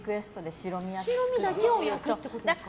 白身だけを焼くってことですか？